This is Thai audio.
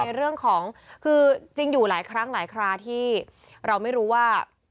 เรื่องของคือจริงอยู่หลายครั้งหลายคราที่เราไม่รู้ว่า